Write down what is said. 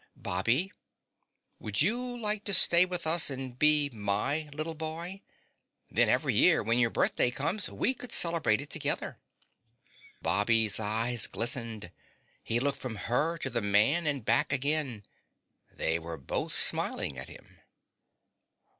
"Bobby, would you like to stay with us and be my little boy? Then, every year when your birthday comes, we could celebrate it together." Bobby's eyes glistened. He looked from her to the man and back again. They were both smiling at him.